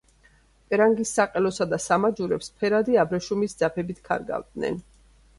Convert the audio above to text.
პერანგის საყელოსა და სამაჯურებს ფერადი აბრეშუმის ძაფებით ქარგავდნენ.